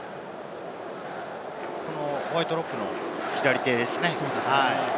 ホワイトロックの左手ですね。